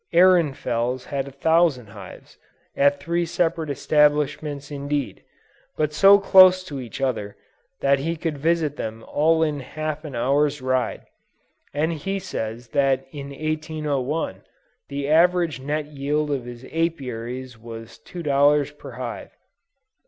Ehrenfels had a thousand hives, at three separate establishments indeed, but so close to each other that he could visit them all in half an hour's ride; and he says that in 1801, the average net yield of his Apiaries was $2 per hive.